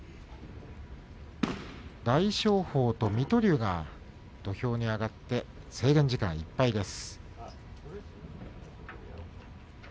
大翔鵬と水戸龍が土俵に上がって制限時間いっぱいです。